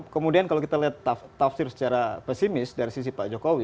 kemudian kalau kita lihat tafsir secara pesimis dari sisi pak jokowi